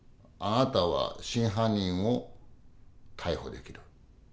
あなたは真犯人を逮捕できる。